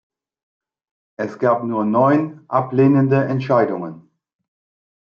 Es gab nur neun ablehnende Entscheidungen.